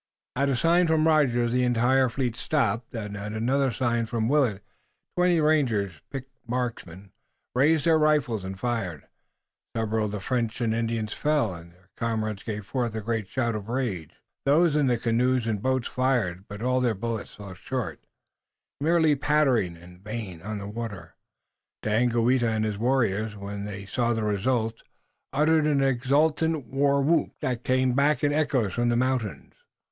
At a sign from Rogers the entire fleet stopped, and, at another sign from Willet, twenty rangers, picked marksmen, raised their rifles and fired. Several of the French and Indians fell, and their comrades gave forth a great shout of rage. Those in the canoes and boats fired, but all their bullets fell short, merely pattering in vain on the water. Daganoweda and his warriors, when they saw the result, uttered an exultant war whoop that came back in echoes from the mountains.